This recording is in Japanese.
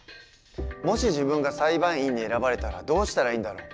もし自分が裁判員に選ばれたらどうしたらいいんだろう？